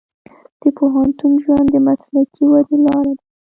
د پوهنتون ژوند د مسلکي ودې لار ده.